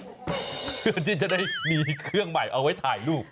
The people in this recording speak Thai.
เพื่อที่จะได้มีเครื่องใหม่เอาไว้ถ่ายรูป